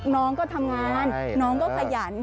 น้องก็ทำงานน้องก็ขยัน